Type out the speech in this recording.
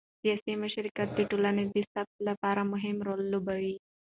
سیاسي مشارکت د ټولنې د ثبات لپاره مهم رول لوبوي